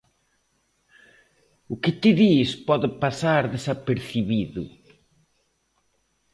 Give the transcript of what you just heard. O que ti dis pode pasar desapercibido.